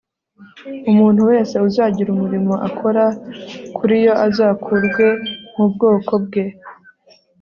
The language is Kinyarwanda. Umuntu wese uzagira umurimo akora kuri yo azakurwe mu bwoko bwe